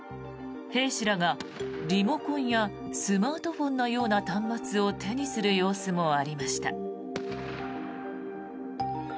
兵士らがリモコンやスマートフォンのような端末を手にする様子もありました。